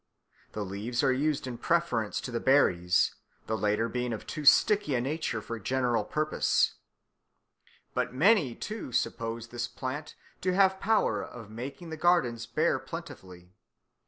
The leaves are used in preference to the berries, the latter being of too sticky a nature for general purposes. ... But many, too, suppose this plant to have the power of making the gardens bear plentifully.